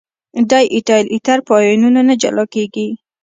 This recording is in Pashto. دای ایتایل ایتر په آیونونو نه جلا کیږي.